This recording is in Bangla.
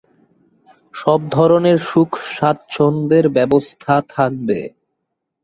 সব ধরনের সুখ স্বাচ্ছন্দ্যের ব্যবস্থা থাকবে।